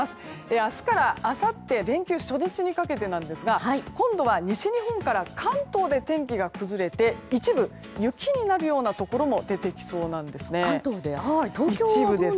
明日からあさってにかけての連休初日にかけてですが西日本から関東にかけて天気が崩れて一部雪になるようなところも出てきそうなんです。